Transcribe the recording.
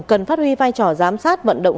cần phát huy vai trò giám sát vận động